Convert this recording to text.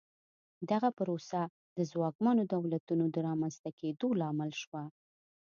دغه پروسه د ځواکمنو دولتونو د رامنځته کېدو لامل شوه.